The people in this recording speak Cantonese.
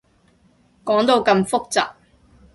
講到咁複雜